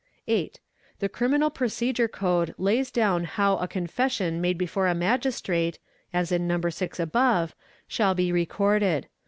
8. The Criminal Procedure Gode lays down how a confession made before a Magistrate, as in No. 6 above, shall be recorded.